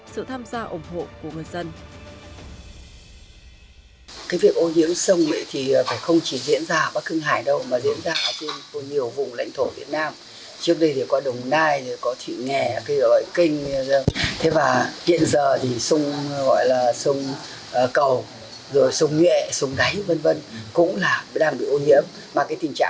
sự tham gia ủng hộ của người dân